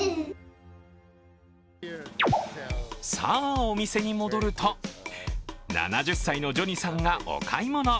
さあ、お店に戻ると７０歳のジョニさんがお買い物。